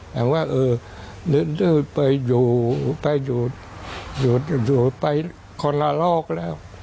แต่ว่าเออไปอยู่ไปอยู่อยู่ไปคนละโลกแล้ว